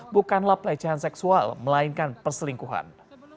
bukanlah pelecehan seksual melainkan perselingkuhan